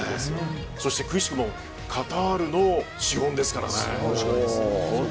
そしてくしくもカタールの資本ですからね。